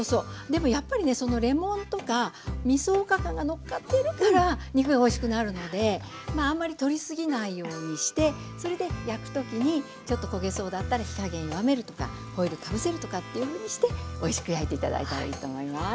でもやっぱりねレモンとかみそおかかがのっかってるから肉がおいしくなるのであんまり取り過ぎないようにしてそれで焼く時にちょっと焦げそうだったら火加減弱めるとかホイルかぶせるとかっていうふうにしておいしく焼いて頂いたらいいと思います。